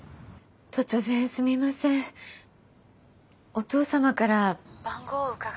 突然すみませんお父様から番号を伺って。